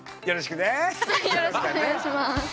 よろしくお願いします。